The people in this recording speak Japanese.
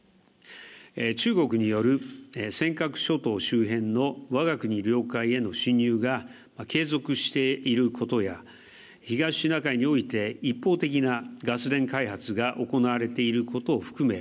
中国による尖閣諸島周辺のわが国領海への侵入が継続していることや東シナ海において一方的なガス田開発が行われていることを含め